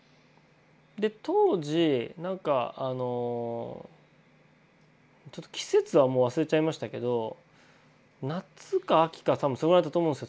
で当時なんか季節はもう忘れちゃいましたけど夏か秋か多分それぐらいだったと思うんですよ。